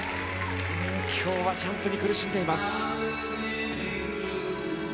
今日はジャンプに苦しんでいます。